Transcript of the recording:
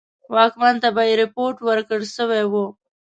واکمن ته به یې رپوټ ورکړه سوی وو.